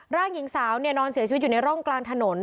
ร่างหญิงสาวนอนเสียชีวิตอยู่ในร่องกลางถนน